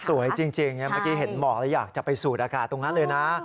สวยจริงเมื่อกี้เห็นหมอกแล้วอยากจะไปสูดอากาศตรงนั้นเลยนะ